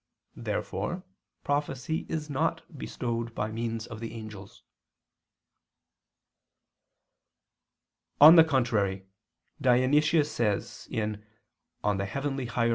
Therefore prophecy is not bestowed by means of the angels. On the contrary, Dionysius says (Coel. Hier.